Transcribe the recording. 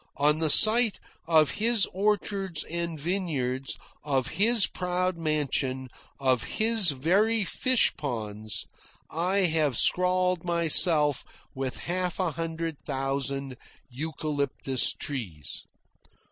On the site of his orchards and vine yards, of his proud mansion, of his very fish ponds, I have scrawled myself with half a hundred thousand eucalyptus trees.